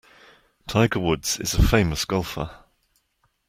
Tiger Woods is a famous golfer.